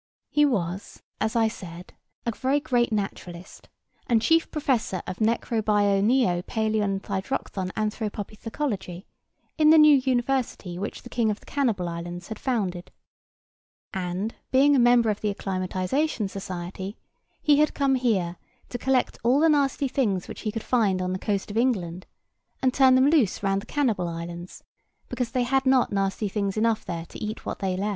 He was, as I said, a very great naturalist, and chief professor of Necrobioneopalæonthydrochthonanthropopithekology in the new university which the king of the Cannibal Islands had founded; and, being a member of the Acclimatisation Society, he had come here to collect all the nasty things which he could find on the coast of England, and turn them loose round the Cannibal Islands, because they had not nasty things enough there to eat what they left.